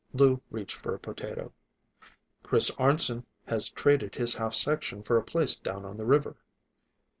Lou reached for a potato. "Chris Arnson has traded his half section for a place down on the river."